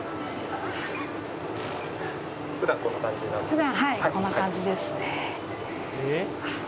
普段はいこんな感じですね。